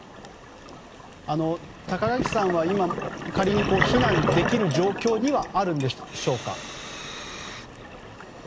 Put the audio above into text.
高垣さんは今、仮に避難できる状況にはあるんでしょうか？